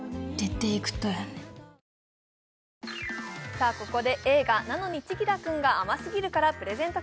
さあここで映画「なのに、千輝くんが甘すぎる。」からプレゼント